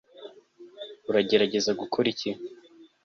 uragerageza gukora iki